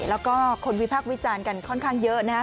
แล้วก็คนวิพากษ์วิจารณ์กันค่อนข้างเยอะนะฮะ